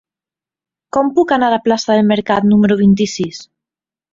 Com puc anar a la plaça del Mercat número vint-i-sis?